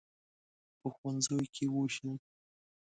په ښوونځیو کې ووېشل.